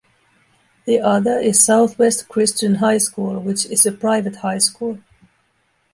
The other is Southwest Christian High School which is a private high school.